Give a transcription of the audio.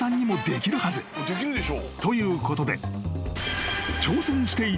［ということで］